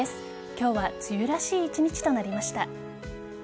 今日は梅雨らしい１日となりました。